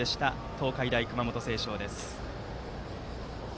東海大熊本星翔です。